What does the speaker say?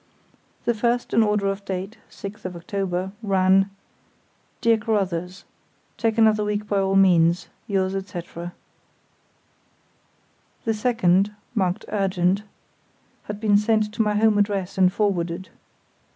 The first in order of date (October 6) ran: "Dear Carruthers.—Take another week by all means.—Yours, etc." The second (marked "urgent") had been sent to my home address and forwarded.